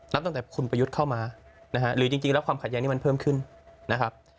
ตั้งแต่คุณประยุทธ์เข้ามานะฮะหรือจริงแล้วความขัดแย้งนี้มันเพิ่มขึ้นนะครับ